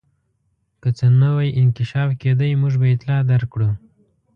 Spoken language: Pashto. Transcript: که څه نوی انکشاف کېدی موږ به اطلاع درکړو.